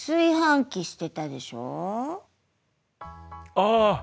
ああ！